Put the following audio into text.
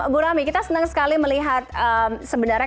bu rami kita senang sekali melihat sebenarnya